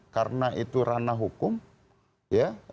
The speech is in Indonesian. karena itu ranah hukum ya